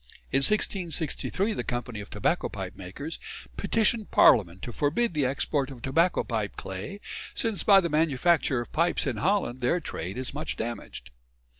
In 1663 the Company of Tobacco Pipe Makers petitioned Parliament "to forbid the export of tobacco pipe clay, since by the manufacture of pipes in Holland their trade is much damaged."